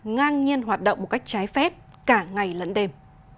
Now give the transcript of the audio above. ngang nhiên hoạt động một cách trái phép cả ngày lẫn đêm